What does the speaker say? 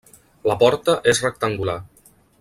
La porta és rectangular.